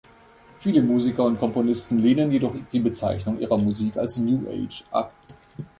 Viele Musiker und Komponisten lehnen jedoch die Bezeichnung ihrer Musik als „New Age“ ab.